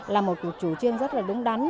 là một chủ trương rất là đúng đắn